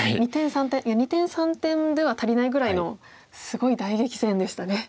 いや二転三転では足りないぐらいのすごい大激戦でしたね。